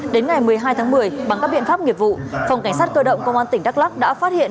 đến ngày một mươi hai tháng một mươi bằng các biện pháp nghiệp vụ phòng cảnh sát cơ động công an tỉnh đắk lắc đã phát hiện